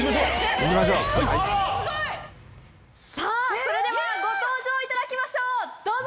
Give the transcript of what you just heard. それではご登場いただきましょうどうぞ！